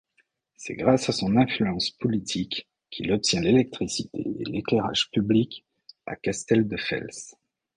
C'est grâce à son influence politique qu'il obtient l'électricité et l'éclairage public à Castelldefels.